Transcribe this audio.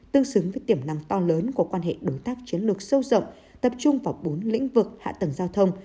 tương xứng với tiềm năng to lớn của quan hệ đối tác chiến lược sâu rộng tập trung vào bốn lĩnh vực hạ tầng giao thông